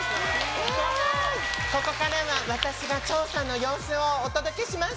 ここからは私が調査の様子をお届けします。